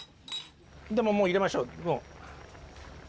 もう入れましょう。